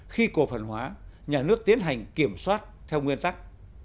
khi cổ phần hóa nhà nước tiến hành kiểm soát theo nguyên tắc